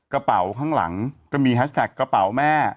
กระเป๋าข้างหลังก็มีฮัชแนนกป่าวแม่